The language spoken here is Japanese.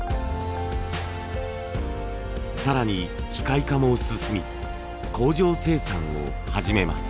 更に機械化も進み工場生産を始めます。